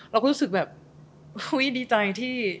เราก็รู้สึกแบบเฮ้ยดีใจที่